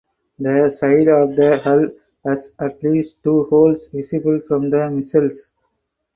The side of the hull has at least two holes visible from the missiles.